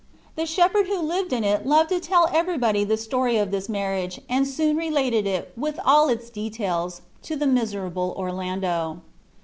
The shepherd who lived in it loved to tell everybody the story of this marriage, and soon related it, with all its details, to the miserable Orlando.